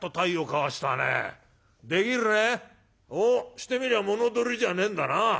してみりゃ物取りじゃねえんだな。